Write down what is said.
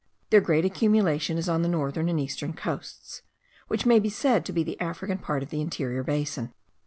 Their great accumulation is on the northern and eastern coasts, which may be said to be the African part of the interior basin.